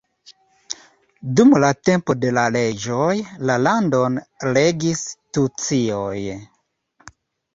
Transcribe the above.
Dum la tempo de la reĝoj, la landon regis tucioj.